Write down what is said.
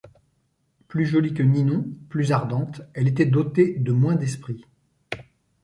Plus jolie que Ninon, plus ardente, elle était dotée de moins d'esprit.